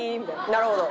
なるほど。